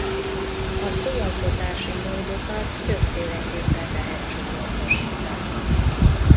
A szóalkotási módokat többféleképpen lehet csoportosítani.